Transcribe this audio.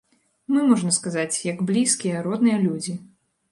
Мы, можна сказаць, як блізкія, родныя людзі.